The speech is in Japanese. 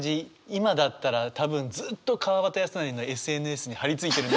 今だったら多分ずっと川端康成のＳＮＳに張り付いてる。